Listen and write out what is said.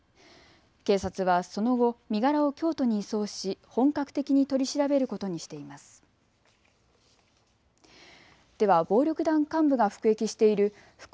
警察はその後、身柄を京都に移送し本格的に取り調べることにしています。